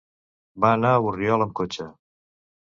Va anar a Borriol amb cotxe.